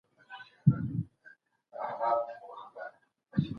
شمېر به په بېلابېلو ځايونو کي روښانه سي.